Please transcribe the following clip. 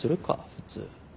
普通。